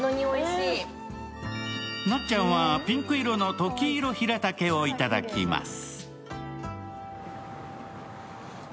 なっちゃんはピンク色のトキイロヒラタケをいただきます。